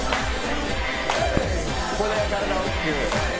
ここで体を大きく。